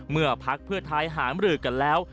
เมื่อภักดิ์เพื่อไทยหามหลืกกันแล้ว